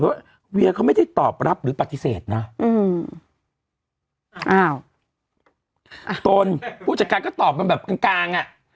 ว่าเวียเขาไม่ได้ตอบรับหรือปฏิเสธนะอืมอ้าวตนผู้จัดการก็ตอบมันแบบกลางกลางอ่ะ